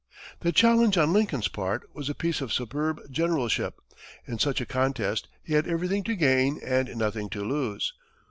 The challenge on Lincoln's part was a piece of superb generalship. In such a contest, he had everything to gain and nothing to lose.